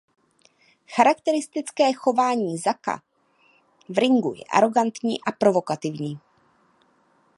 Charakteristické chování Zacka v ringu je arogantní a provokativní.